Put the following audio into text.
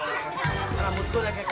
kok rambut gua gak kayak